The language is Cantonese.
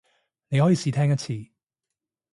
你可以試聽一次